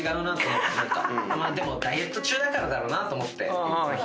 でもダイエット中だからだろうなと思って。